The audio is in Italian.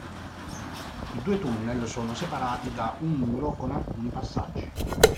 I due tunnel sono separati da un muro con alcuni passaggi.